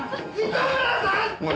糸村さん！